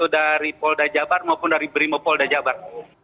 dari polsat dajabar maupun dari brimopold dajabar